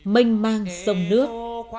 mênh mang sông nước